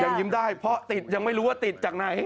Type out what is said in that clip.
ยิ้มได้เพราะติดยังไม่รู้ว่าติดจากไหน